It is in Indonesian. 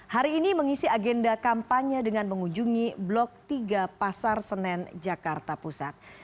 hari ini mengisi agenda kampanye dengan mengunjungi blok tiga pasar senen jakarta pusat